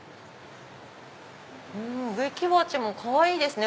植木鉢もかわいいですね。